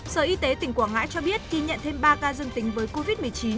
sở y tế tỉnh quảng ngãi cho biết ghi nhận thêm ba ca dương tính với covid một mươi chín